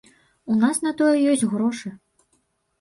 У нас на тое ёсць грошы.